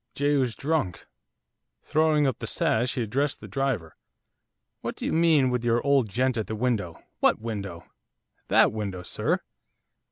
Jehu's drunk.' Throwing up the sash he addressed the driver. 'What do you mean with your old gent at the window? what window?' 'That window, sir.